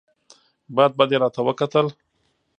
بد بد یې راته وکتل !